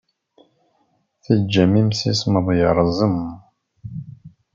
Teǧǧam imsismeḍ yerẓem.